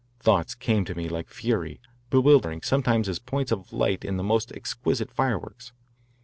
Thoughts came to me like fury, bewildering, sometimes as points of light in the most exquisite fireworks.